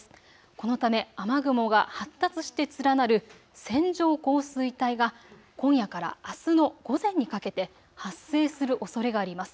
このため雨雲が発達して連なる線状降水帯が今夜からあすの午前にかけて発生するおそれがあります。